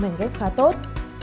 mảnh ép khá tốt